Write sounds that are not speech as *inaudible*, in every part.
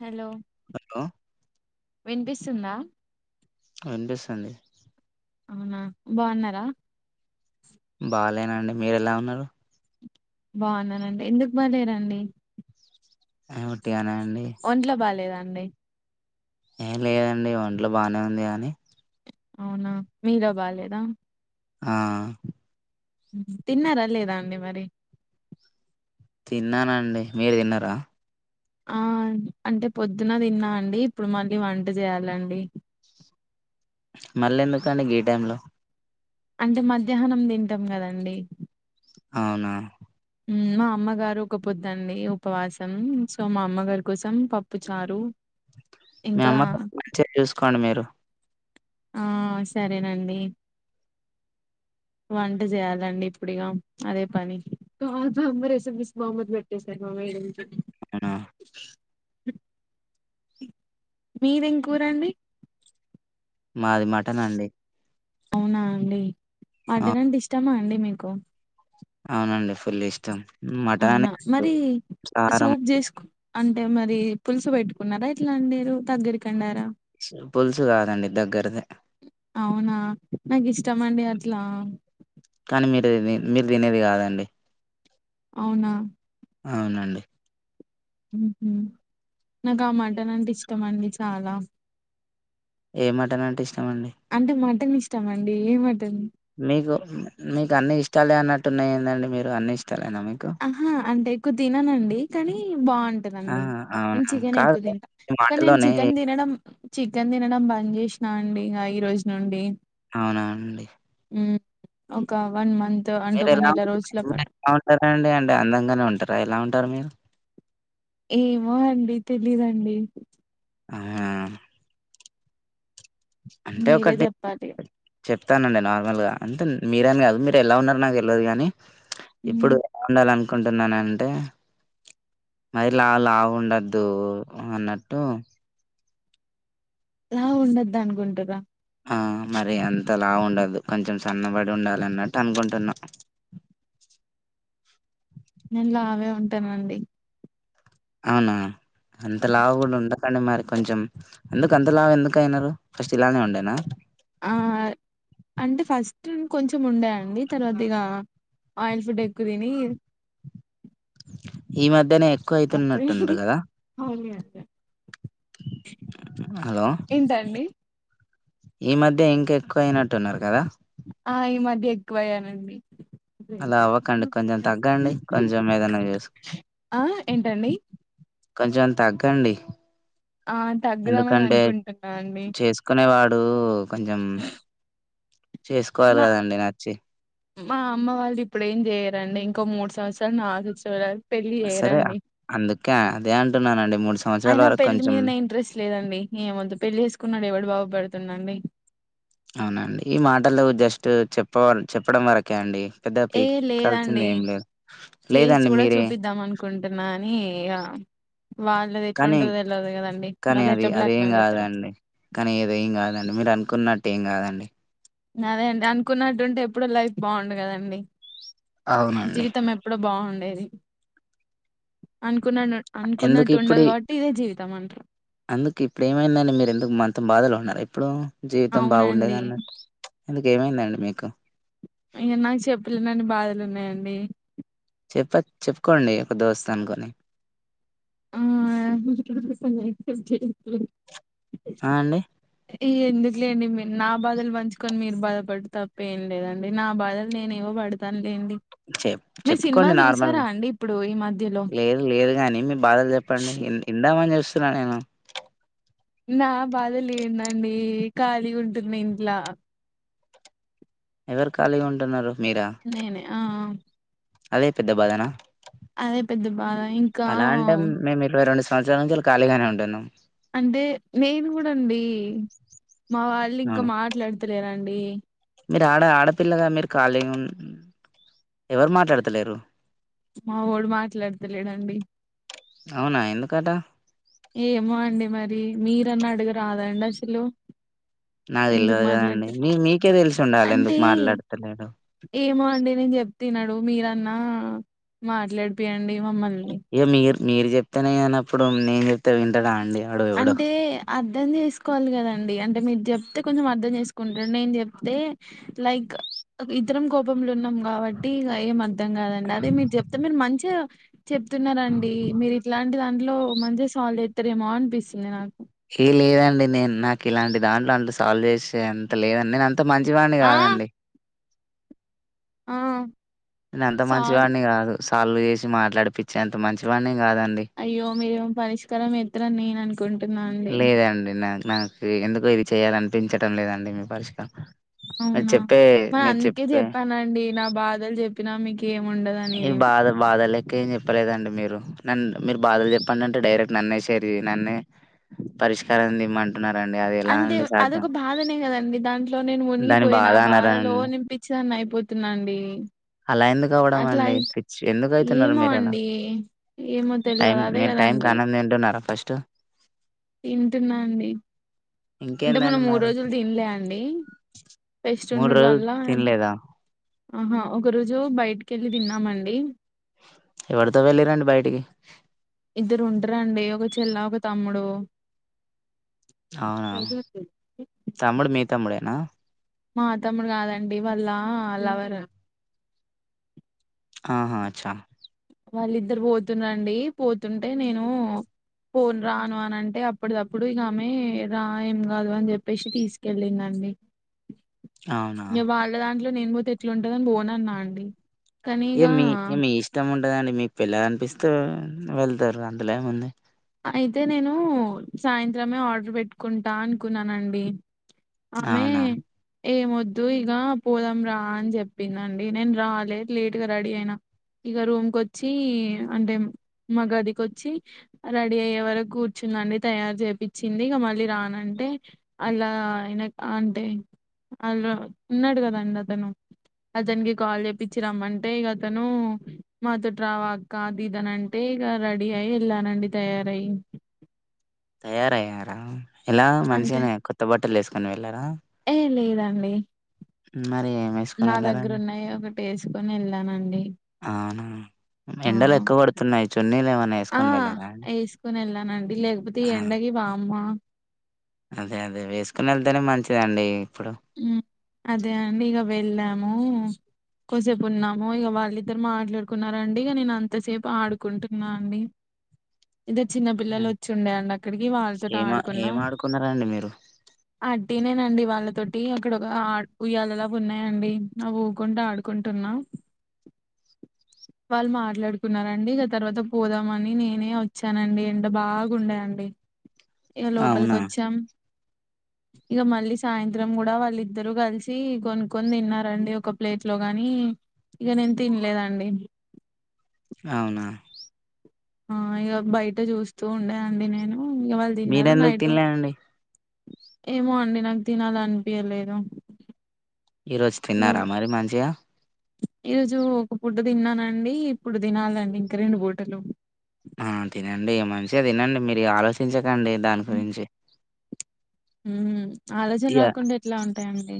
Hello hello వినిపిస్తుందా, వినిపిస్తుంది. అవునా బాగున్నారా, అండి మీరు ఎలా ఉన్నారు, బాగున్నానండి ఎందుకు బలేరండి, ఆ వట్టిగానే అండి, *unintelligible* ఏం లేదండి ఒంట్లో బాగానే ఉంది, కాని అవునా మీదా బాలేదా ఆ తిన్నారా లేదా అండి మరి తిన్నానండి మీరు తిన్నారా, ఆ అంటే పొద్దున్న తిన్నా అండి ఇప్పుడు మళ్ళీ వంట చేయాలండి, మళ్ళీ ఎందుకండి గీ టైమ్ లో అంటే మధ్యాహ్నం తింటాం కదండి, అవునా మా అమ్మగారు ఒక పొద్దండి ఉపవాసం సో మా అమ్మగారి కోసం పప్పు చారు, మీ ఇంకా అమ్మని మంచిగా చూసుకోండి మీరు ఆ సరేనండి *unintelligible* వంట చేయాలండి ఇప్పుడు ఇగా అదే పని, అవునా మీది ఏంకురా అండీ మాది మటన్ అండి అవునా అండి ఆ మటన్ అంటే ఇష్టమా అండి మీకు అవునండి ఫుల్ ఇష్టం మటన్ అనే అవునా కాదు, మరి కారం సూప్ చేసుకు అంటే మరి పులుసు పెట్టుకున్నారా ఎట్లా వండిరు దగ్గరికి వండరా, పులుసు కాదండి దగ్గరదే అవునా నాకు ఇష్టం అండి అట్లా కానీ మీరు ఇది తినేది కాదండి, అవునా అవునండి ఉహు నాకు ఆ మటన్ అంటే ఇష్టం అండి చాలా, ఏ మటన్ అంటే ఇష్టమండి అ ఇష్టం అండి ఏ మ మీకు మీకు అన్ని ఇష్టాలే అన్నట్టున్నాయిందండి మీరు అన్ని ఇష్ ఆహా అంటే ఎక్కువ తిననండి కానీ ఆ! బావుంటదండి అవునా? నేన్ చికెనే ఎక్కువ కాదు తింటా మీ కాని నేను మాటలోనే చికెన్ తినడం చికెన్ తినడం బంద్ చేసినా అండి ఇక ఈ రోజు నుండి అవునా అండి హ్మ్ ఒక వన్ మంత్ అంటూ ఒక నెల రోజుల పాటు అండి అండి అందంగానే ఉంటారా ఎలా ఉంటారు మీరు, ఏమో అండి తెలీదండి ఆ మీరే ఒకటి చెప్పాలి చెప్తానండి నార్మల్గా అంతే మీరని కాదు మీరు ఎలా ఉన్నారు నాకు తెల్వదు కానీ మ్మ్. ఇప్పుడు వండాలనుకుంటున్నానంటే మరిలా లావుండద్దు అన్నట్టు లా ఉండొద్దు అనుకుంటరా ఆ మరి అంత లావు ఉండదు కొంచెం సన్నబడి ఉండాలి అన్నట్టు అనుకుంటున్నాం అంతేనండి అవునా అంత లావు కూడా ఉండకండి మరి కొంచెం ఎందుకు అంత లావు ఎందుకు అయినారు ఫస్ట్ ఇలానే ఉండేనా ఆ అంటే ఫస్ట్ కొంచెం ఉండే అండి తర్వాత ఇక ఆయిల్ ఫుడ ఎక్కువ తిని ఈ మధ్యనే ఎక్కువ మర్చిపోయింది అయితున్నట్టున్నారు కదా హలో ఏంటండి ఈ మధ్య ఇంకా ఎక్కువ అయినట్టున్నారు కదా ఆ ఈ మధ్య ఎక్కువయ్యానండి అలా అవ్వకండి కొంచెం తగ్గండి కొంచెం ఏదన్నా చేసుకో ఆ ఏంటండి కొంచెం తగ్గండి ఆ తగ్గుదామని ఎందుకంటే అనుకుంటున్నా అండి చేసుకునే వాడు కొంచెం చేసుకోవాలి మా కదండి నచ్చి మా అమ్మ వాళ్ళు ఇప్పుడేం చేయ్యరండి ఇంకో మూడు సంవత్సరాలు నా ఆశర్ చూడాలి పెళ్ళి సరే చేయరండి అందుకే అదే అంటున్నానండి మూడు సంవత్సరాల అయినా వరకు పెళ్ళి కొంచెం మీదనే ఇంట్రెస్ట్ లేదండి ఏమంత పెళ్ళి చేసుకున్నవాడు ఎవడు బాగుపడుతుందండి అవునండి ఈ మాటలు జస్ట్ చెప్పవ చెప్పడం వరకే అండి పెద్దగా ఏ పీకాల్సింది లేదండి ఏం లేదు చేసి లేదండి కూడా మీరే చూపిద్దాం అనుకుంటున్నా అని ఇగ వాళ్ళది కానీ ఎట్లుంటదో తెల్వదు కదండి కానీ వాళ్ళు అది ఎట్లా అది బ్లాక్ ఏం మెయిల్ చేత్తరో కాదండి కానీ అది ఏం కాదండి మీరు అనుకున్నట్టు ఏం కాదండి అదే అండి అనుకున్నట్టుంటే ఎప్పుడో లైఫ్ బాగుండు కదండి అవునండి. జీవితం ఎప్పుడో బాగుండేది అ అనుకున్న ఎందుకు అనుకున్నట్టు ఇప్పుడు ఉండదు కాబట్టి ఇదే జీవితం అంట్రు ఎందుకు ఇప్పుడేమైందని మీరెందుకు మంత బాధలో ఉన్నారు జీవితం అవునండి బాగుండేదిన్నట్టు ఎందుకేమైందండి మీకు ఇక నాకు చెప్పలేనని బాధలు ఉన్నాయండి చెప్ప చెప్పుకోండి ఒక దోస్త్ అనుకోని హ్మ్ ఆ అండి ఈ ఎందుకులేండి మీ నా బాధలు పంచుకొని మీరు బాధపడు తప్ప ఏం లేదండి నా బాధలు నేను ఏవో పడతాను లేండి చెప్పు మీరు చెప్పుకోండి సినిమాలు చూసారా నార్మల్గా అండి ఇప్పుడు ఈ మధ్యలో లేదు లేదు గాని బాధలు చెప్పండి విం విందామని చూస్తున్నా నేను నా బాధ లేందండి ఖాళీగ ఉంటున్నా ఇంట్లో ఎవరు ఖాళీగా ఉంటున్నారు మీరా? నేనే ఆ ఆ అదే పెద్ద బాధనా అదే పెద్ద బాధ ఇంకా అలా అంటే మేము ఇరవై రెండు సంవత్సరాలు సంవత్సరాల నుంచి ఖాీళిగానే ఉంటున్నాం అంటే నేను కూడా అండి మా వాళ్ళు ఇంకా అవును. మాట్లాడు లేరాండి *unintelligible* మీరు ఆడ ఆడపిల్లగా మీరు ఖాళీగ ఎవరు మాట్లాడతలేరు మా వోడు మాట్లాడతలేడండి అవునా ఎందుకట ఏమో అండి మరి మీరన్నా అడుగురాదండి అసలు ఎందుకు నాకుతెలవదుకదండి మాట్లాడత మీ మీకే తెలిసి ఉండాలి ఎందుకు అంటే మాట్లాడతలేడో ఏమో అండి నేను చెప్ తినడు మీరన్నా మాట్లాడిపీయండి మమ్మల్ని ఇక మీరు మీరు చెప్తేనే వినినప్పుడు నేను చెప్తే వింటాడా అండి వాడు ఎవడో అంటే అర్థం చేసుకోవాలి కదండి డి అంటే మీరు చెప్తే కొంచెం అర్థం చేసుకుంటడు నేను చెప్తే లైక్ ఇద్దరం కోపంలో ఉన్నం కాబట్టి ఇక ఏం అర్ధం కాదండి అదే మీరు చెప్తే మీరు మంచిగా చెప్తున్నారండి మీరు ఇట్లాంటి దాంట్లో మంచిగా సాల్వ్ చేస్తారేమో అనిపిస్తుంది నాకు ఏ లేదండి నేను నాకు ఇలాంటి దాంట్లో అంత సాల్వ్ చేసే అంత లేదండి నేను అంత అంత మంచివాన్ని కాదండి ఆహ్ నేను అంత మంచివాడిని కాదు సాల్వ్ చేసి మాట్లాడిపిచ్చే అంత మంచివాడిని కాదండి అయ్యో మీరేమో పరిష్కారం చేత్తరని నేను అనుకుంటున్న లేదండి నా నాకు ఎందుకో ఇది చేయాలనిపించటం లేదండి మీ పరిష్కారం మీరు అవునా చెప్పే మరి మీరు అందుకే చెప్పే చెప్పానండి నా బాధలు చెప్పినా మీకు ఇక బాధ బాధలే ఇంకేం చెప్పలేదండి మీరు నన్ను మీరు బాధలు చెప్పండి అంటే డైరెక్ట్ నన్నే షేర్ నన్నే పరిష్కారం ఇమ్మం అంటే అదొక బాధనే కదండి దాంట్లో నేను దాని మునిగిపోయినా బాధ బాధలో అనరండి. నేను పిచ్చిదాన్ని అయి పోతున్నాండి అలా ఎందుకు అవడం అట్లా అండి పిచ్చి ఎందుకు అయితున్నారు ఏమో మీరు అలా అండి ఏమో టైం తెల్వదు అదే మీరు టైమ్ కి కదండి అన్నం తింటున్నారా ఫస్ట్ తింటున్నా అండి అంటే మొన్న ఇంకేందండి మూడు మరి? రోజులు తినలే అండి ఫెస్ట్ ఉండుడు రోజులు వల్ల తినలేదా? ఆహా ఒక రోజు బయటికెళ్ళి తిన్నామండి ఎవరితో వెళ్ళిరండి బయటికి ఇద్దరుంటరండీ ఒక చెల్ల ఒక తమ్ముడు అవునా తమ్ముడు మీ తమ్ముడేనా మా తమ్ముడు కాదండి వాళ్ళ లవర్ ఆహా అచ్చా వాళ్ళిద్దరు పోతున్నరండి పోతుంటే నేను పోన్ రాను అనంటే అప్పుటిదప్పుడు ఇక ఆమె రా ఏం కాదు అని చెప్పేసి తీసుకెళ్ళిందండి అండి అవునా నేను పోతే ఎట్లుంటదని పోన్నన్నా అండి కానీ ఏ ఇక మీ మీ ఇష్టం ఉంటదండి మీకు వెళ్ళాలి అనిపిస్తే వెళ్తారు అందులేముంది అయితే నేను సాయంత్రమే ఆర్డర్ పెట్టుకుంటా అనుకున్నానండి ఆమె అవునా! ఏమొద్దు ఇగ పోదాంరా అని చెప్పిందండి నేను రాలె లేట్గ రెడీ అయినా ఇగ రూమ్కొచ్చి అంటే మా గదికొచ్చి రెడీ అయ్యే వరకు కూర్చుందండి తయారు చేపిచ్చింది ఇగ మళ్ళీ రానంటే అల్ల అయ్ అంటే ఆహ్ ఉన్నడు కదండి అతను అతనికి కాల్ చెపిచ్చి రమ్మంటే ఇగ అతను మా తోటి రావ అక్క అ ది దనంటే ఇగ రెడీ అయి ఎల్లానండి తయరాయ్ తయారయ్యారా ఎలా అంటే మంచిగనే కొత్త బట్టలు వేసుకొని వెళ్లారా ఏ లేదండి మరి ఏమేసుకొని నా దగ్గర వెళ్లారండి? ఉన్నయే ఒకటి వేసుకొని వెళ్ళానండి అవునా ఆ ఎండలు ఎక్కువ కొడుతున్నయి చున్నీలు ఏమైన్నా ఆ వేసుకొని వెళ్ళారా ఏసుకొని వెళ్ళానండి లేకపోతే ఈ ఆ, ఎండకి వామ్మా అదే అదే వేసుకొని వెళ్తేనే మంచిదండి ఇప్పుడు హు అదే అండి ఇగ వెళ్ళాము కొసేపు ఉన్నాము ఇగ వాళ్ళిద్దరు మాట్లాడుకున్నారండి ఇగ నేను అంతసేపు ఆడుకుంటున్నా అండి ఇద్ద చిన్న పిల్లలు వచ్చిండేయండి అక్కడికి వాళ్ళతో ఏమ ఆడుకున్న ఏం ఆడుకున్నారండి మీరు అడ్డేనేనండి వాళ్ళతో టి అక్కడ ఒక ఆ ఉయ్యాలలాగ ఉన్నాయండి అవ్వి ఊకుంట ఆడుకుంటున్నా వాళ్ళు మాట్లాడుకున్నారండి ఇగ తర్వాత పోదామని నేనే వచ్చానండి ఎండ బాగుండేయండి ఇగ లోపలికి అవునా వచ్చాం ఇగ మళ్ళీ సాయం త్రం కూడ వాళ్ళిద్దరు కలిసి కొనుక్కోని తిన్నారండి ఒక ప్లేట్ లో గాని ఇగ నిన్ తినలేదండి అవునా ఆ ఇగ బయట చూస్తూ ఉండే అండి నేను హు ఇంగ వాళ్ళు తిన్నారు మీరెందుకు నైట్ తినలేదండి ఏమో అండి నాకు తినాలనిపియలేదు ఈ రోజు తిన్నారా మరి మంచిగా ఈరోజు ఒక పూట తిన్నానండి ఇప్పుడు తినాలండి ఇంకా రెండు పుటలు ఆ తినండి మంచిగా తినండి మీరు ఆలోచించకండి దాని గురించి హు ఆలోచన రాకుండా ఎట్లా ఉంటాయండి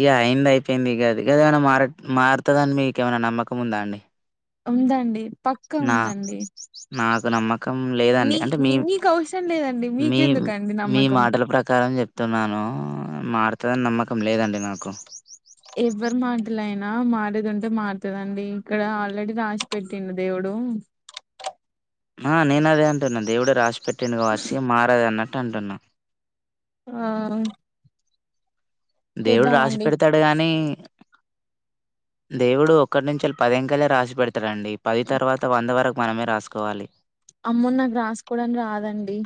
ఇగ అయింది అయిపోయింది ఇగ అది ఏదన్న మర్ మారుతదని మీకేమన్న నమ్మకం ఉందా అండి ఉందండి పక్కా నా ఉందండి నాకు నమ్మకం నీ లేదండి అంటే మీ నీకు అవసరం లేదండి మీ మీకెందుకండి మీ నమ్మకం మాటల ప్రకారం చెప్తున్నాను మారుతదని నమ్మక కం లేదండి నాకు ఎవరు మాటలైనా మారేది ఉంటే మారుతుందండి ఇక్కడ ఆల్రెడీ రాసి పెట్టిడు దేవుడు నేనదే అంటున్నా దేవుడు రాసిపెట్టిండు గవచ్చు ఇగ మారదన్నట్టు అంటున్నా ఆ దేవుడు రాసి చూద్దామండి పెడతాడు గాని దేవుడు ఒక్కటి నుంచెలి పది అంకెలే రాసి పెడుతాడండి పది తర్వాత వంద వరకు మనమే రాసుకోవాలి అమ్మో నాకు రాసుకోవడానికి రాదండి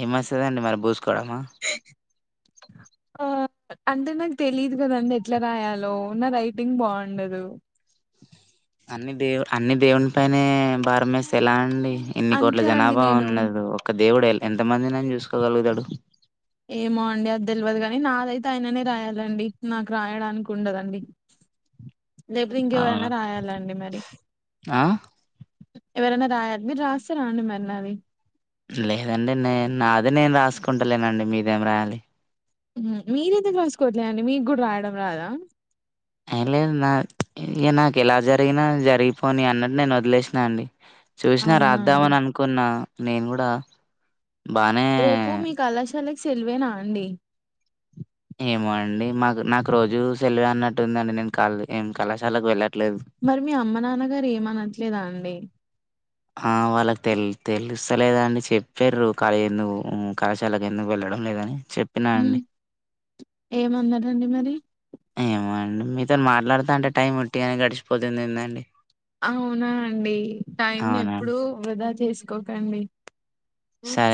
ఏం మస్తాదండి మరి బోస్ ఆ అంటే నాకు తెలీదు కదండి ఎట్లా రాయాలో నా రైటింగ్ బాగుండదు అన్ని దేవు అన్ని దేవుని పైనే భారం వేస్త ఎలా అండి ఇన్ని కోట్ల అంతే అండి జనాభా నేను ఉన్నది ఒక్క దేవుడు ఎంత మందినని చూసుకోగలుగుతాడు ఏమో అండి అది తెల్వదు కానీ, నాదైతే ఆయననే రాయాలండి. నాకు రాయడానికి ఉండదండి. లేపోతే అవునా ఇంకెవరనా రాయాలాండి మరి ఆ ఎవరైనా రాయి మీరు రాస్తారా అండి మరి నాది లేదండి నే నాదే నేను రాసుకుంటలేనండి. మీదేం రాయాలి. మీరతే కసుకోవట్లే అండి మీగూడా రాయడం రాదా అ లేదు నా ఇ నాకు ఎలా జరిగినా జరిగిపోని అన్నట్టు నేను వదిలేసినా అండి. చూసినా అవునా అండి రాద్దామని అనుకున్న నేను కూడా బానే రేపు మీ కళాశాలకి సెలివేనా అండి. ఏమో అండి మాకు నాకు రోజు సెలవే అన్నట్టుందండి. నేను క ఏం కళాశాలకు వెళ్ళ మరి మీ అమ్మ నాన్నగారు ఏమనట్లేదా అండి. ఆ వాళ్ళకి తెల్ తెలుస్తలేదా అండి. చెప్పారు ఎందుకు కళాశాలకు ఎందుకు వెళ్ళర్ చె లేదని చెప్పినా ఉమ్ అండి ఏమన్నారండి మరి ఏమో అండి మీతో మాట్లాడుతా అంటే, టైం ఒట్టిగానే గడిచిపోతుంది ఏందండి. అవునా అండి టైమ్ అవునా ఎప్పుడూ వృధా చేసుకోకండి.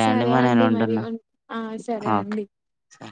సరే అండి మరి ఉం ఆ సరే ఓకే అండి సరే